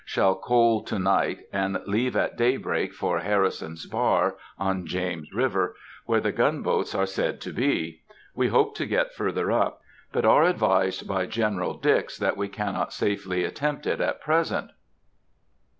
Shall coal to night and leave at daybreak for Harrison's Bar, on James River, where the gunboats are said to be. We hope to get further up, but are advised by General Dix that we cannot safely attempt it at present.